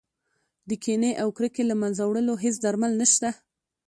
د کینې او کرکې له منځه وړلو هېڅ درمل نه شته.